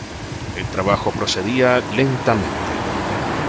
El trabajo procedía lentamente.